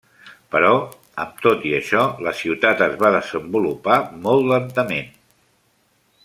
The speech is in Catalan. Però, amb tot i això, la ciutat es va desenvolupar molt lentament.